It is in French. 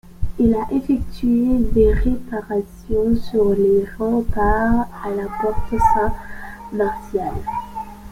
Il a effectué des réparations sur les remparts, à la porte Saint-Martial.